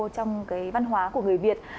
trong văn hóa của người việt